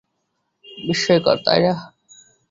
বিস্ময়কর, তাই না?